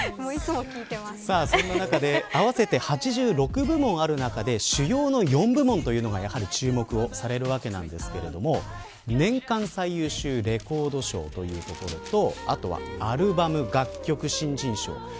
そんな中で合わせて８６部門もある中で主要の４部門というのがやはり注目されるわけなんですが年間最優秀レコード賞というところとあとはアルバム、楽曲、新人賞